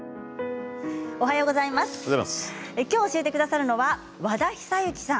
今日教えてくださるのは、和田久幸さん。